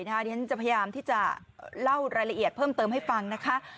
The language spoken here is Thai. เดี๋ยวฉันจะพยายามที่จะเล่ารายละเอียดเพิ่มเติมให้ฟังนะคะ